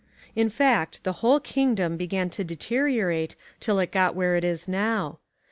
In fact the whole kingdom began to deteriorate till it got where it is now.